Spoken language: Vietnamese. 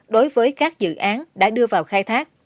đối với các dự án đã đưa vào khai thác